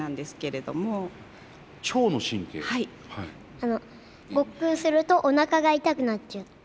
あのごっくんするとおなかが痛くなっちゃって。